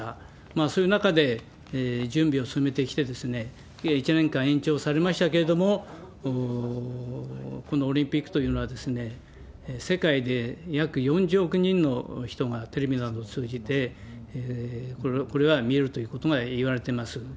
そういう中で、準備を進めてきて、１年間延長されましたけれども、このオリンピックというのは、世界で約４０億人の人がテレビなどを通じて、これは見るということがいわれてます。